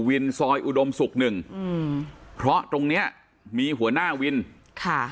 ซอยอุดมศุกร์หนึ่งอืมเพราะตรงเนี้ยมีหัวหน้าวินค่ะ